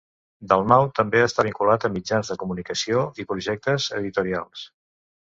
Dalmau també està vinculat a mitjans de comunicació i projectes editorials.